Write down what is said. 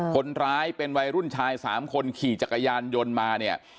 คนร้ายเป็นวัยรุ่นชาย๓คนขี่จักรยานยนต์มาเนี่ย